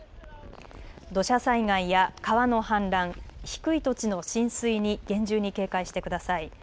土砂災害や川の氾濫低い土地の浸水に厳重に警戒してください。